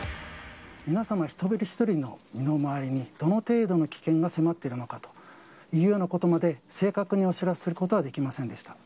皆様一人一人の身の回りに、どの程度の危険が迫っているのかというようなことまで、正確にお知らせすることはできませんでした。